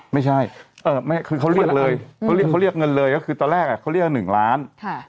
ไม่ใช่คือเขาเรียกเลยเขาเรียกเขาเรียกเงินเลยก็คือตอนแรกเขาเรียก๑ล้าน